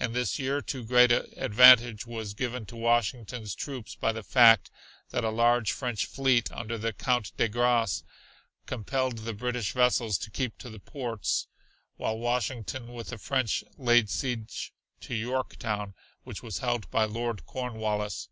In this year too a great advantage was given to Washington's troops by the fact that a large French fleet under the Count de Grasse compelled the British vessels to keep to the ports, while Washington with the French laid siege to Yorktown, which was held by Lord Cornwallis.